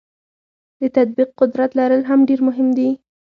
د تطبیق قدرت لرل هم ډیر مهم دي.